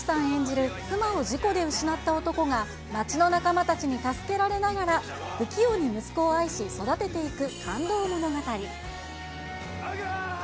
演じる妻を事故で失った男が、町の仲間たちに助けられながら、不器用に息子を愛し、育てていく感動物語。